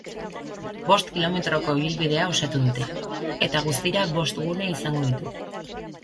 Bost kilometroko ibilbidea osatu dute, eta guztira bost gune izango ditu.